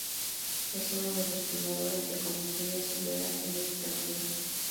Es uno de los fundadores de Comisiones Obreras en Extremadura.